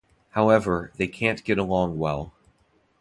However, they can't get along well.